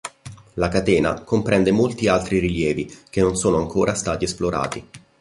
La catena comprende molti altri rilievi che non sono ancora stati esplorati.